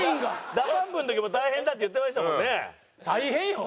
ＤＡＰＵＭＰの時も大変だって言ってましたもんね。大変よ。